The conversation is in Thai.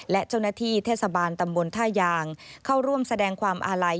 และเจ้าหน้าที่เทศบาลตำบลท่ายางเข้าร่วมแสดงความอาลัย